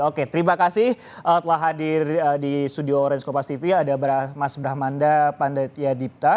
oke terima kasih telah hadir di studio orange kompas tv ada mas brahmanda pandetyadipta